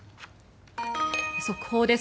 速報です。